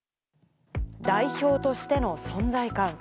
代表としての存在感。